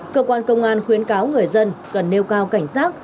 cơ quan công an khuyến cáo người dân cần nêu cao cảnh giác